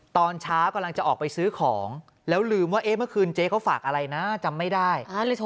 ตอนเช้ากำลังจะออกไปซื้อของแล้วลืมว่าเอ๊ะเมื่อคืนเจ๊เขาฝากอะไรนะจำไม่ได้